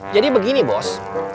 jadi begini bos